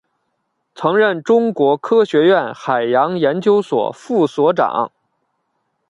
曾任中国科学院海洋研究所副所长。